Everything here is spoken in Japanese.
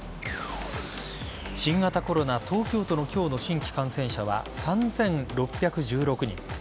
新型コロナ東京都の今日の新規感染者は３６１６人